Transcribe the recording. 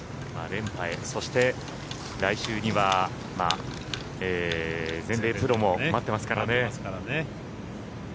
連覇へ、そして来週には全米プロも待ってますからね。